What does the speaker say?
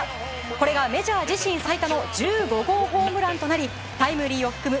これがメジャー自身最多の１５号ホームランとなりタイムリーを含む